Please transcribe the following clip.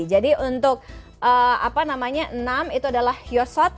jadi untuk apa namanya enam itu adalah yosot